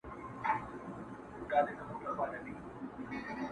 له هر کونجه یې جلا کول غوښتنه؛